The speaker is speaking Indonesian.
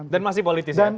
dan masih politis ya